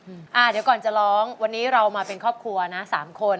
เดี๋ยวก่อนจะร้องวันนี้เรามาเป็นครอบครัวนะสามคน